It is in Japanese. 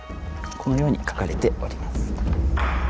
このように書かれております。